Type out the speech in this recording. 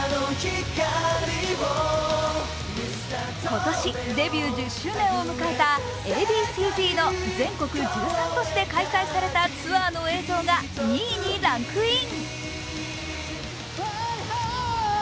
今年デビュー１０周年を迎えたＡ．Ｂ．Ｃ−Ｚの全国１３都市で開催されたツアーの映像が２位にランクイン。